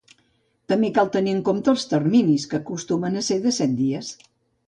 També cal tenir en compte els terminis, que acostumen a ser de set dies.